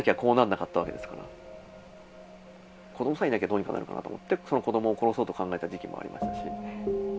どうにかなるかなと思ってその子供を殺そうと考えた時期もありましたし。